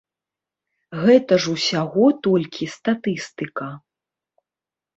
Гэта ж усяго толькі статыстыка.